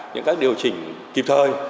những các điều chỉnh kịp thời